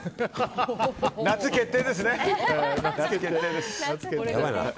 夏決定ですね！